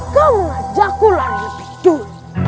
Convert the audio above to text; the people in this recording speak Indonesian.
kamu ajakulah lebih curi